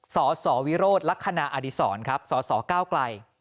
สสวิโรธลักษณะอดิษรสสเก้าไกล